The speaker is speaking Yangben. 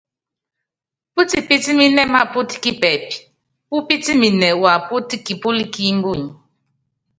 Putipitimɛ mapɔt kipɛp, pupitimɛ wapɔt kipɔl ki mbuny.